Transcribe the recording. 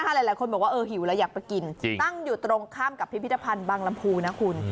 หลายคนบอกว่าเออหิวแล้วอยากไปกินตั้งอยู่ตรงข้ามกับพิพิธภัณฑ์บางลำพูนะคุณ